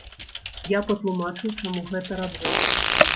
Я патлумачыў, чаму гэта раблю.